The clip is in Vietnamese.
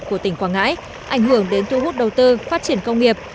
của tỉnh quảng ngãi ảnh hưởng đến thu hút đầu tư phát triển công nghiệp